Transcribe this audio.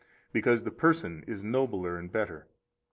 Because the person is nobler and better.